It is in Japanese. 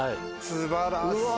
素晴らしい。